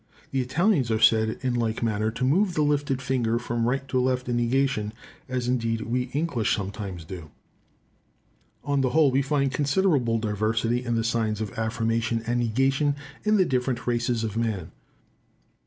The Italians are said in like manner to move the lifted finger from right to left in negation, as indeed we English sometimes do. On the whole we find considerable diversity in the signs of affirmation and negation in the different races of man.